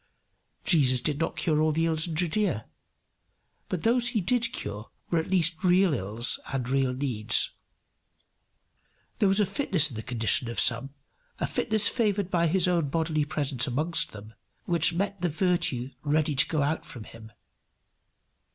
Jesus did not cure all the ills in Judaea. But those he did cure were at least real ills and real needs. There was a fitness in the condition of some, a fitness favoured by his own bodily presence amongst them, which met the virtue ready to go out from him.